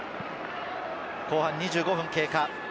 後半２５分経過。